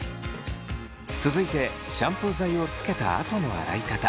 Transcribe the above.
続いてシャンプー剤をつけたあとの洗い方。